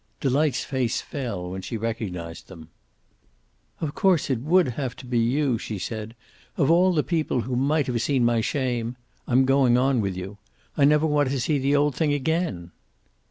Delight's face fell when she recognized them. "Of course it would have to be you," she said. "Of all the people who might have seen my shame I'm going on with you. I never want to see the old thing again."